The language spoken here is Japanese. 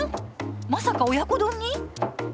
まさか親子丼に？